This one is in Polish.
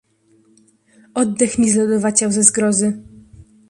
"Oddech mi zlodowaciał ze zgrozy."